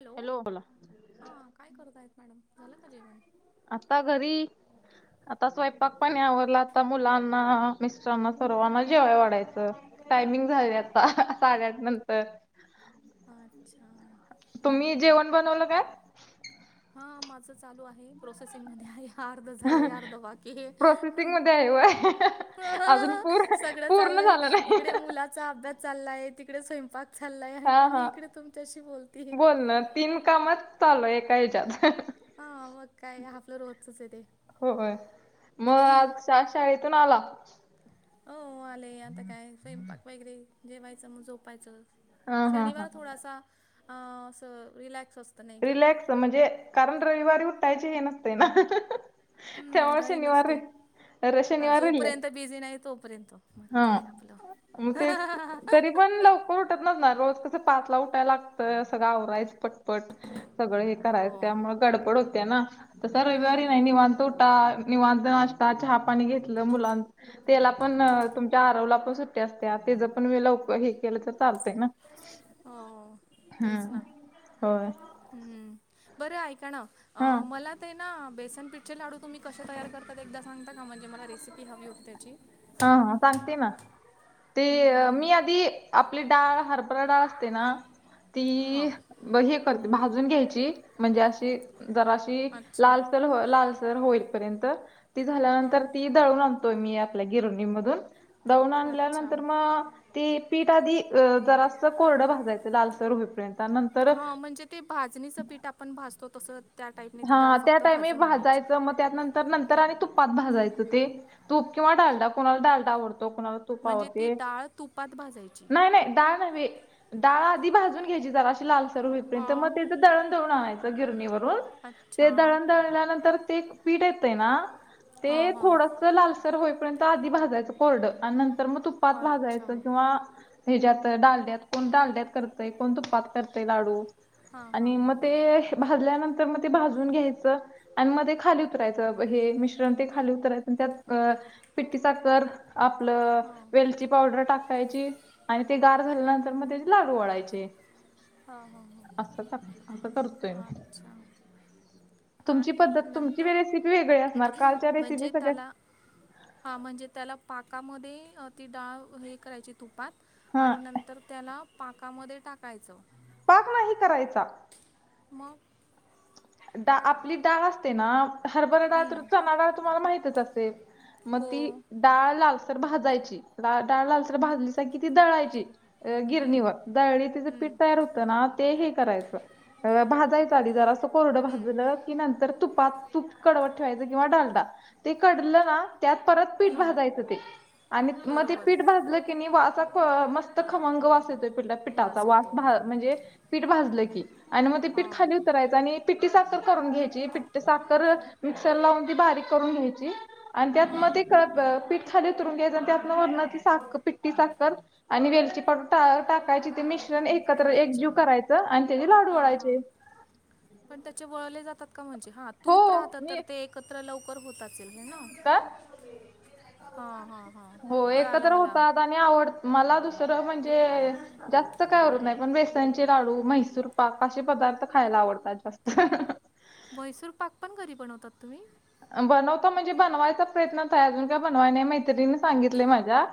Hello, हां काय करत आहेत मॅडम झालं का जेवण? आता घरी आता स्वयंपाक पाणी आवरला. आता मुलांना मिस्टरांना सर्वांना जेवायला वाढायचं. टायमिंग झाले आता साडे आठ नंतर अच्छा, तुम्ही जेवण बनवलं काय? हा माझं चालू आहे. प्रोसेसिंग मध्ये आहे अर्ध झालंय अर्ध बाकी हे हे होय. सगळं चाललं आहे नाही. इकडे मुलाचा अभ्यास चालला आहे. तिकडे स्वयंपाक चाललाय आहे हा आणि ही हा इकडे तुमच्याशी बोलती ह. बोलण तीन कामात चालू एका हच्यात. हा मग काय हाफल र होतचच आहे ते. होय मग आज शाळेतून आला. हो आले आता काय स्वयंपाक वगैरे जेवायचं मग झोपायचं. हा हा हा. शनिवार थोडासा रॅक्स असतो. रिलॅक्स म्हणजे कारण रविवारी उठायचे हे नसते ना. हम्म त्याव्हा घाई शनिवार रे नसते हा जोपर्यंत बिझी नाही तोपर्यंत मग हा काय आपलं. मग ते तरी पण लवकर ना रोज कसं पाातला उठायला लागतं असग गा आवरायच पटपट. सगळं हे हो करायचं त्यामु गडबड होते ना तसा हो रविवारी नाही निवण तोटा निवध असताात चहा पाणी घेतलं मुलां त्याला पण तुमच्या आरवलापसून अस ते ज पण मला उप हे केलं तर चालते ना. हो तेच हम्म ना होय हम् बरं ऐका ना. अ हा मला ते ना बेसन पिठचे लाडू तुम्ही? कश तयार करतात एकदा सांगता का म्हणजे मला रेसिपी हवी होती त्याची हा ह सांगते ना ते हम्म, हम्म, हम्म. मी आधी आपली डाळ हरभरा डाळ असते ना हो ती ब हे करते भाजून घ्यायची म्हणजे अच्छा होईर् झाल्यानंत हां दळून आणतोय मी आपल्या गिरणी मधून दळून अच्छा आणल्यानंतर मग तेी पीठ आधी जरासं कोरडं भाजायचं लालसर होईपर्यंत नंतर हा म्हणजे ते भाजणीचं पीठ आपण भाजतो तसं. त्या टाईपने ती हा डाळ त्या फक्त टाइम भाजून आणायची भाजायचं मग त्यानंतर तर नंतर आणि तुपात भाजायचं ते तूप किंवा डालडा कोणाला डाडा आवडतो कोणाला? म्हणजे ती तूपावरते डाळ तुपात भाजायची नाही नाही दाान हवी. डाळ आधी भाजून घ्यायची जरा अशी लालसरू होईपर्यंत मग हां त्याचं दळण वून आणायचं गिरणीवरून ते अच्छा दळण दळल्यानंतर ते पीठ येतय ना हां ते हां थोडस लालसर होईपर्यंत आधी भाजायचं कोरड आणि नंतर मग तुपात अच्छा भाजायचं किंवा ह्याच्या्यात डालड्यात कोण डालड्यात करतय कोण तुपात करतय लाडू. हां हां आणि हां मग ते भाजल्यानंतर म ते भाजून घ्यायचं आणि मध्ये खाली उतरायचं हे मिश्रण ते खाली उतरायचं त्यात. पिट्टी साखर आपलं हां वेलची पावडर टाक. कायची आणि ते गार झाल्यानंतर मग त्याचे लाडू ढायचे. हां हां असं तर असं तरतोय नाही. अच्छ. आणि तुमची नंतर रेसिपी वेगळी असणार कालच्या रेसिपी म्हणजे सगळ्या त्याला हा म्हणजे त्याला पाकामध्ये ती डाळ हे करायची तुपात हा आणि नंतर त्याला पाकामध्ये टाकायचं. पाक नाही करायचा. मग. ड आपली डाळ असते ना. हरभरा डाळ हं, चना डाळ तुम्हाला माहितच असेल मग हो ती डाळ लाव. तर भाजायची डाळ लाल तर भाजली स ती दळायची. हं, गिरणीवर दळी तिचं पीठ हं, तयार होतं ना ते हे करायचं. भाजायचचा आली जरा असं कोरडं हं, भाजलं. नंतर तुपात तूप कडवत ठेवायच किंवा डालड ते कडलं ना त्यात परत पीठ हं, भाजायच हो ते आणि मग ते बरोबर पीठ भाजलं की नाही वा मस्त खमंग वासायच हो. पठा वास वा येतो म्हणजे पीठलं की आणि मग ते पीठ हां खाली उतरायचं आणि पिट्टी साखर करून घ्यायची पिट्ट साखर मिक्सर लावून ती बारीक करून घ्यायची आणि त्यात हां मध्ये पठ खाली उतरून घ्यायच त्यातन वरण सा पिट्टी साखर आणि वेलची पावडर टा काय ते मिश्रण एकत्र एक अच्छा जीव करायचं आणि त्याचे लाडू हां हां वळायचे पण त्याचे वळले जातात का म्हणजे हा हो तूप राहतं तर मी ते एकत्र लवकर होतात ना का ह ह हा हो कळ आला एकत्र वाला होतात आवड मला दुसरं म्हणजे जास्त काय आवडत नाही पण बेसनचे लाडू म्हैसूर पाक असे पदार्थ खायला आवडतात जास्त म्हैसूर पाक पण घरी बनवतात तुम्ही बनवता म्हणजे बनवायचा प्रयत्नत आहे अजून काय बनवाय नाही मैत्रिणी सांगितलेय माझ्या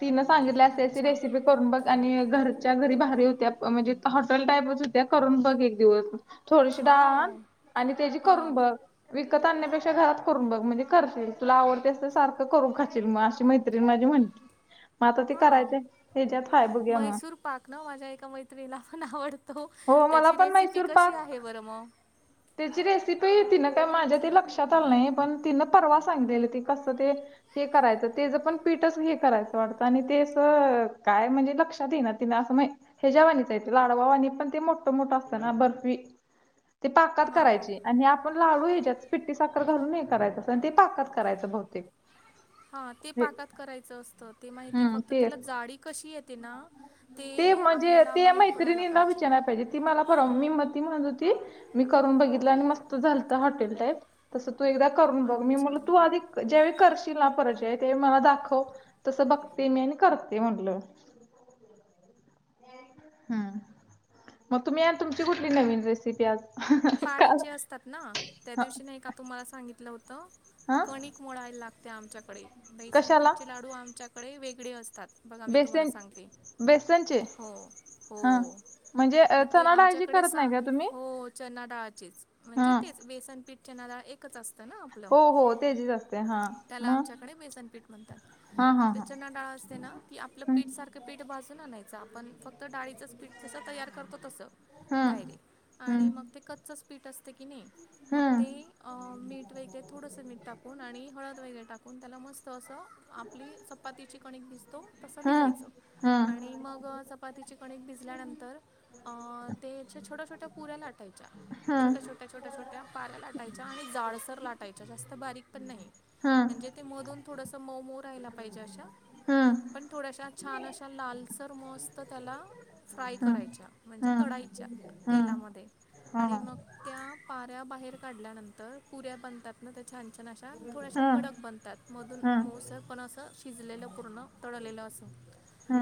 तिनं सांगितली असे अशी अच्छा रेसिपी करून बघ आणि घरच्या घरी बाहेारी होत्या म्हणजे हॉटेल टाईपच होत्या करून बघ एक दिवस थोडीशी डाान वाव आणि त्याची करून हां बघ विकत आणण्यापेक्षा घरात करून बघ म्हणजे करशील तुला आवडते अस तर सारखं करून खाील मगशी माहि माझी म्हणते मग आता तेी हां करायचे हच्यात हाय बघू मग न माझ्या एका मैत्रीणीला पण आवडतो हो मला त्याची पण रेसिपी मैसूर कशी पाक आहे बरं मग त्याची रेसिपी तिनं काय माझ्या ते लक्षात आलं नाही पण तिनं परवा सांगलेलं ती कसं ते हे करायचं तेच पण पीठच हे करायचं वाटत आणि ते असं काय म्हणजे लक्षात येई ना तिने असं माहि ह्या जवानीच येते लाडवावाणी पण ते मोठ मोठं असतं ना बर्फी तकात हां हां करायची आणि आपण लाडू ह्याच्यात पिट्टी साखर घलून ह करायचं पण ते पाकात करायचं बहुतेक हा ते पाकात करायचं असतं ते माहिती हम्म फक्त त्याला तेच जाडी कशी येते ते म्हणजे आपल्याला ते माहित पडायला मैत्रिणीला पाहिजे विचारायला ती मला फरव मी मती म्हणजू त मी करून बघितलं आणि मस्त झालत हॉटेल टाईप तसं तू एकदा करून बघ मी मुलं अच्छा तू आधिक जेवे करशील ना परजय ते मला दाखव तसं बघते मी आणि करते म्हणलं हम् मग तुम्ही या तुमची कुठली नवीन रेसिपी आज काल पचे असतात ना त्या ह दिवशी तुम्हाला सांगितलं होत क हा खूक मोळायला लागते आमच्याकडे कशाला बैसनपीठचे लाडू आमच्याकडे वेगळे असतात बघा मी तुम्हाला बेसन सांगते बेसनचे हो हो हा म्हणजे मग ते चना डाळीची आमच्याकडे करत नाही सांग का तुम्ही? हो चना डाळाचेच हा म्हणजे तेच बेसनपीठ चना डाळ एकच असतं ना हो हो त्याचीच असते हा त्याला मग आमच्याकडे बेसनपीठ म्हणतात हा मग हा ते चना डाळा असते ना ती आपलं हा. पीठ सारखं पीठ भाजून आणायचं आपण फक्त तर डाळीचंच पीठ तसं तयार करतो तसं हां डायरीे हां आणि मग ते कच्चच पीठ असते की नाही मग हां ते मीठ वगैरे थोडंसं मीठ टाकून आणि हळद वगैरे टाकून त्याला मस्त असं आप आपली चपातीची कणिक दिसतो तसं हां भिजयचं हां आणि मग चपातीचे कणिक भिजल्यानंतर त्याच्या छोट्या छोट्या पुऱ्या लाटायच्या हां छोट्या छोट्या ्या छोट्या छोट्या पाऱ्या लाटायच्या आणि जाळसर लाटायच्या जास्त बारीक पण नाही हां म्हणजे ते मधून थोडस मऊ मऊ राहिला पाहिजे अशा हां हां पण थोड्याशा छान अशा लालसर मस्त त्याला फ्राय हां करायच्या म्हणजे हां तळाायच्या हां तेलामध्ये आणि हां मग त्या पाऱ्या बाहेर काढल्यानंतर पुऱ्या बनतात न त्या छान छान अशा थोड्याशा हां हां कडक बनतात मधून हां मऊसं पण असं शिजलेलं पूर्ण तोडलेल असो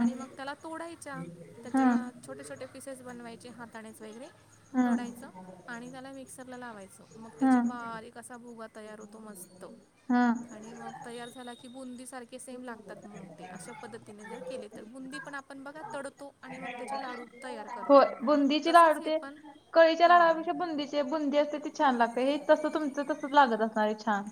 आणि मग त्याला तोडायच्या त्याच्या छोटे छोटे पिसेस बनवायचे हाताण्याच वगैरे हां तोडायचं आणि त्याला मिक्सरला लावायचं मग त्याची हां बारीक असा भुगा तयार होतो मस्त हां आणि मग तयार झाला की बुंदी सारखे सेम लागतात म्हणून ते अशा पद्धतीने जर केले तर बुंदी पण आपण बघा तडतो आणि मग त्याचे लाडू तयार होय करतो बुंदीचे तसंच लाडू हे ते पण कळीच्या हां लाडापेक्षा बुंदीचे बुंदी असते ती छान लागते हे तसं तुमचं तसच लागत असणार हे छान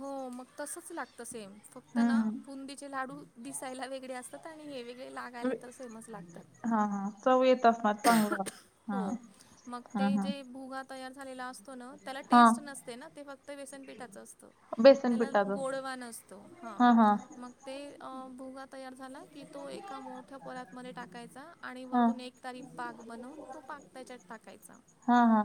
हो मग तसच लागतं सेम फक्त ना हम्म फुंदीचे लाडू दिसायला वेगळे असतात आणि हे वेगळे लागायला तर सेमस लागतात हा ह चव येत असणार चांगलं हा हो मग ते हम हम जे भुगा तयार झालेला असतो ना त्याला टेस्ट नसते ना ते फक्त व्यसनपीठाच असतं बेसन त्याला पिठाचं गोडवा नसतो ह हा हा मग ते भोगात तयार झाला की तो एका मोठ्या पोरतमध्ये टाकायचा आणि वर हा तो नेक पाक बनून तो पाक त्याच्यात टाकायचा हा हा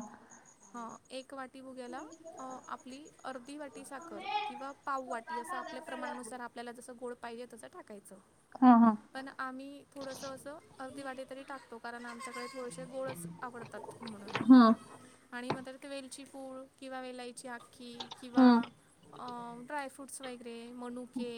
ह एक वाटी बघ्याला आपली अर्धी वाटी साखर किंवा पाव वाटी असं आपल्या प्रमाणानुसार आपल्याला जसं गोड पाहिले तचं टाकायचं हा हा पण आम्ही थोडंसं असं अगदी वाटे तरी टाकतो कारण आमच्याकडे थोडसे गोळच अर तट म्हणून हम्म आणि म्र ते वेलची पूळ किंवा वेलाईची आख्खी किंवा हम्म ड्राय फ्रूट्स वगैरे मनुके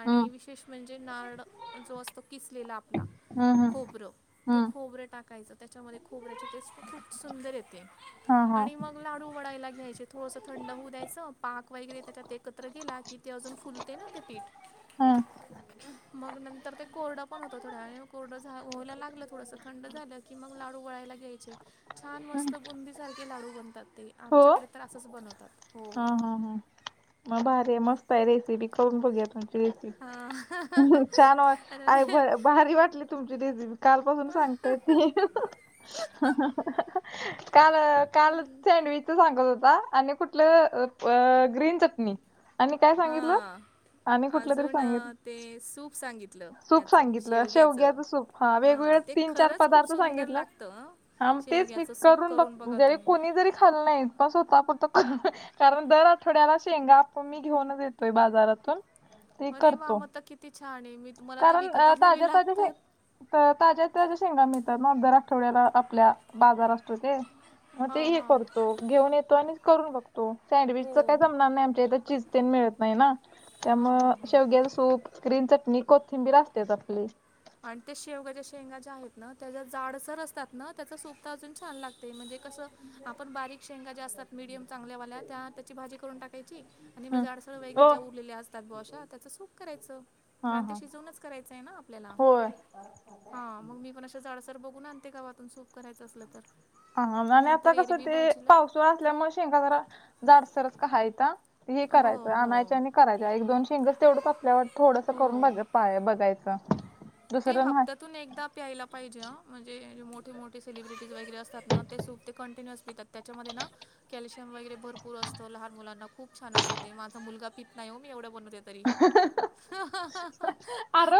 आणि विशेष म्हणजे नारळ जो असतो किसलेला आपला हम्म हम्म खोबरं ते हम्म खोबरं टाकायचं त्याच्यामध्ये खोबऱ्याची टेस्ट पण खूप सुंदर येते हा हा आणि मग लाडू वडायला घ्यायचे थोडसं थंड होऊ द्यायचं पाक वगैरे त्याच्यात एकत्र गेला कि ते अजून फुलते ना ते पीठ हा मग नंतर ते कोरडं पण होतं थोड्या वे कोरडं्हायला लागत थ झा लाडूला घयछ म सारखे लाडू बनतात ते हो आमच्याकडे तर असंच बनवतात हो हा हा हा मग बारे मस्त आहे रेसिपी करून बघया तु हां छान वा अरे आई वा. भारी वाटली तुमची काल पासून सांगताय ती काल काल सँडविच सांगत होता आणि कुठलं ग्रीन चटणी आणि काय सांगितलं हां आणि कुठलं तरी अजून सांगितलं अ, ते सूप सांगितलं सूप याचं सांगितलं शे शेवग्याचं उघ्याच सूप हा वेगवेगळ हां ते तीन चार खरंच खूप पदार्थ सुंदर सांगितलं लागतं हं. हा मग तेच मी शेवग्याचं सूप करून बघ बघा ज तुम्ही कोणी जरी खाल्ल नाही पण स्वतः पणत कारण दर आठवड्याला शेंगा आप मी घेऊनच येतोय बाजारातून ते अरे करतो. वाम तर किती छान आहे मी तुम्हाला तर विकताना बी लागतात तर ताज्या त्याच्या्या शेंगा म तर ना दर आठवड्याला आपल्या बाजार असतो ते मग ते हां हे हां करतो घेऊन येतो आणि करून बघतो तो हो सँडविचचा काय जमणार नाही आमच्या इथे चिजतेन मिळत नाही ना त्यामु हां हां हां शेवग्या सूप क्रीन चटणी कोथिंबीर असतेच आपली आणि ते शेवगाच्या शेंगा ज्या आहेत ना त्याच्या जाडसर असतात ना त्याच सुपता अजून छान लागते म्हणजे कसं आपण बारीक शेंगा ज्या असतात मीडियम चांगल्या वाल्या त्या त्याची भाजी करून टाकायची आणि म हं. अडसळ वगैरे ओ ज्या उरलेल्या असतात बॉशा त्याचं सुख करायचं हां, कां ते हां. शिजवूनच करायचंय ना आपल्याला होय. हा मग मी पण अा झाडसर बघून आणते गावातून सूप करायचं असलं तर हा आणि नाहीतर आता कसं एरवी ते भाजीला पावसाळ असल्यामुळे शेंका जरा जाडसरच काहायेत हे हो करायचं हो आणायं आणि करायच्या एक दोन शेंगस तेवढंच आपल्या थोडंसं करून हो बघत पाय बघायचं ते दुसरं नाही हपता तून एकदा प्यायला पाहिजे अं म्हणजेे मोठे मोठे सेलिब्रिटीज वगैरे असतात ना, ते सुप ते कंटिन्युअस पितात त्याच्यामध्ये ना कॅल्शियम वगैरे भरपूर असतं. लहान मुलांना छान असतं ते, माझा मुलगा पित नाही ओ मी एवढं बनवत तरी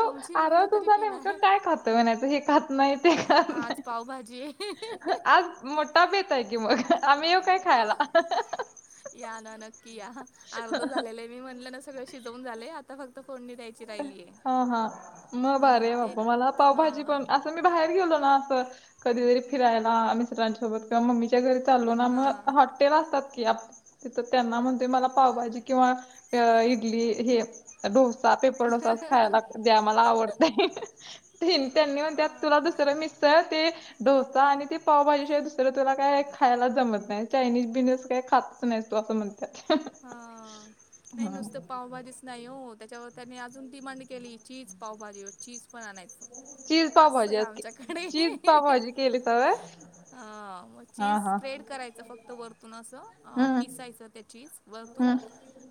तुमची मुलं त तरी नेमकं पिणार काय खात म्हणायचं, हे खात नाहीं ते खात आज नाहीं. पावभाजी आज मोठा बेत आहे की मग, आम्ही येऊ काय खायला? या ना नक्की या अर्ध झालेलय मी म्हणलं ना सगळं शिजवून झालेय आता फक्त फोडणी द्यायची राहिलीय. हा हा म भारी य बाप्पा मला पावभाजी पणं हां असं आमी बाहेर गेलो ना असं, कधीतरी फिरायला मित्रांसोबत किंवा मम्मीच्या घरी चालो ना मग हां हॉट्टेल असतात की आप तिथं त्यांना म्हण ते मला पावभाजी किंवा ए इडली हे ढोसा पेपर डोसा द्या मला आवडतय ते त्यांनी म्हणते तुला दुसरं मिसळ ते डोसा आणि ते पावभाजी शिवाय दुसरं तुला काय खायलाच जमत नाही, चायनीज बियनिज असं काही खातच नाही तू असं म्हणतं [unintelligible] हां नाहीं नुस्तं पावभाजीच नाही हो त्याच्यावर त्यांनी अजून डिमांड केली चीज पावभाजी वर चीज पण आणायचं. चीज आसंय पावभाजी आमच्याकडे. चीज पावभाजी केलीसा व्हय? ह मग हा चीज हा स्प्रेड करायचं फक्त वरतून अस हम्म किसायचं ते चीज वरतून हम्म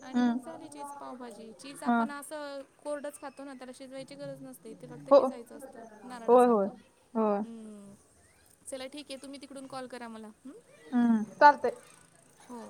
आणि मग हम्म झाली चीज पावभाजी चीज हा आपण असं कोरडच खात तो ना त्याला शिजवायची गरज नसते, ते फक्त हो किसायचं असतं होय होय नारळासारखं. होय हम्म चला ठीक आहे तुम्ही तिकडून कॉल करा मला हम्म. हम्म चालतेय. हो.